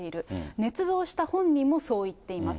ねつ造した本人もそう言っています。